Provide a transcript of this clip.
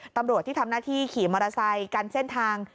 ตำรวจที่ทำหน้าที่ขี่มอเตอร์ไซค์กันเส้นทาง